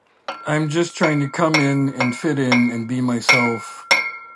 I'm just trying to come in and fit in and be myself.